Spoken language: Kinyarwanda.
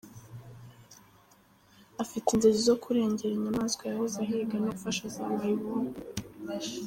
Afite inzozi zo kurengera inyamaswa yahoze ahiga no gufasha za mayibobo.